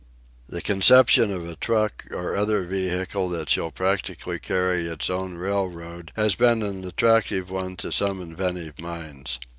The conception of a truck or other vehicle that shall practically carry its own rail road has been an attractive one to some inventive minds.